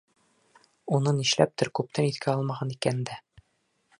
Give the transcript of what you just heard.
Уны нишләптер күптән иҫкә алмаған икән дә.